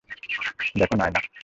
দেখো, নায়না।